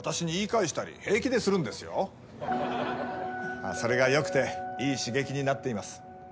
まあそれが良くていい刺激になっています。